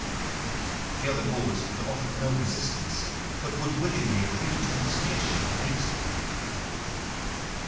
The other lords would offer no resistance, but would willingly agree to any suggestions made to them.